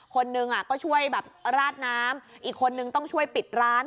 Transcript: คนหนึ่งก็ช่วยแบบราดน้ำอีกคนนึงต้องช่วยปิดร้าน